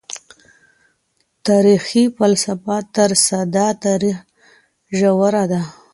تاريخي فلسفه تر ساده تاريخ ژوره ده.